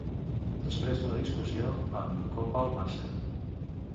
Després d'una discussió, en Gopal marxa.